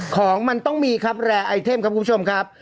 ของมันต้องมีครับแรร์ไอเทมครับคุณผู้ชมครับ